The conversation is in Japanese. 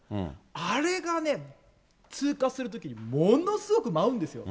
あれがね、通過するときにものすごく舞うんですよ。